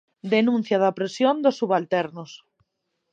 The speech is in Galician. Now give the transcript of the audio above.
Denuncia da opresión dos subalternos.